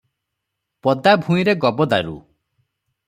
'ପଦା ଭୂଇଁରେ ଗବଦାରୁ' ।